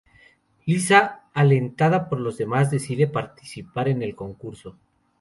Lisa, alentada por los demás, decide participar en el concurso.